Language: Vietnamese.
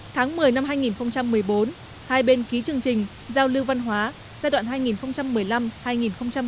tháng một mươi năm hai nghìn một mươi bốn hai bên ký chương trình giao lưu văn hóa giai đoạn hai nghìn một mươi năm hai nghìn hai mươi